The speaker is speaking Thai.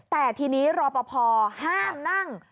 แต่ทีนี้รอปภห้ามนั่ง